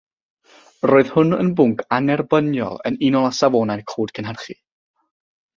Roedd hwn yn bwnc annerbyniol yn unol â safonau'r Cod Cynhyrchu.